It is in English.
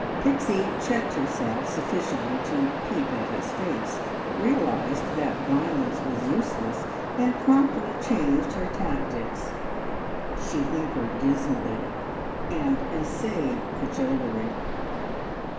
Pixie checked herself sufficiently to peep at his face, realised that violence was useless, and promptly changed her tactics. She whimpered dismally, and essayed cajolery.